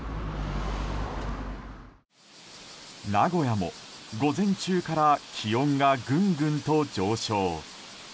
名古屋も午前中から気温がぐんぐんと上昇。